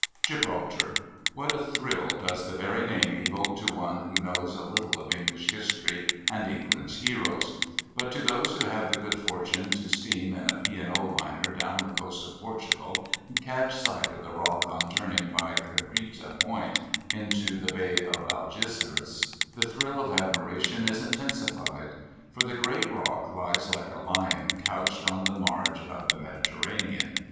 Gibraltar! What a thrill does the very name evoke to one who knows a little of English history and England's heroes! But to those who have the good fortune to steam in a P. and O. liner down the coast of Portugal, and catch sight of the Rock on turning by Cabrita Point into the Bay of Algeciras the thrill of admiration is intensified. For the great Rock lies like a lion couched on the marge of the Mediterranean.